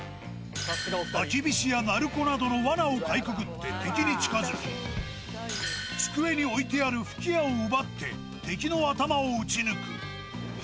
マキビシや鳴子などのわなをかいくぐって、敵に近づき、机に置いてある吹き矢を奪って、敵の頭をうちぬく。